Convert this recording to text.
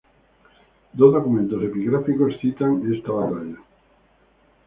Dos documentos epigráficos citan esta batalla: cf.